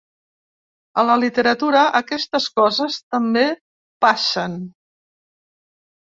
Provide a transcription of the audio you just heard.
A la literatura aquestes coses també passen!